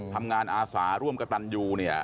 ทำงานอาสาร่วมกับตันยู